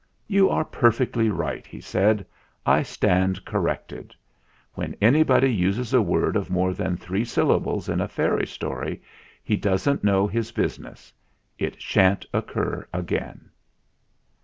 "You are perfectly right," he said. "I stand corrected. When anybody uses a word of more than three syllables in a fairy story he doesn't know his business. It sha'n't occur again."